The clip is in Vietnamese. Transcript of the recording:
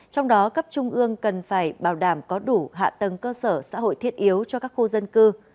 trong đó cấp trung ương cần phải bảo đảm có đủ hạ tầng cơ sở xã hội thiết yếu cho các khu dân cư